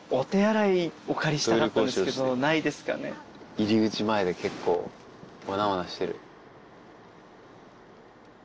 入り口前で結構わなわなしてる。